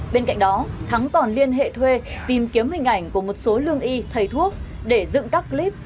bên cạnh đó thắng còn liên hệ thuê tìm kiếm hình ảnh của một số lương y thầy thuốc để dựng các clip